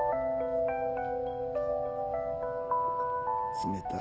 冷たい。